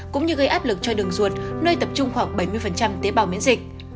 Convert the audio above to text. cũng như gây áp lực cho đường ruột nơi tập trung khoảng bảy mươi tế bào miễn dịch